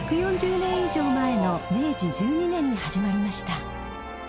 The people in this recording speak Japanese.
１４０年以上前の明治１２年に始まりました。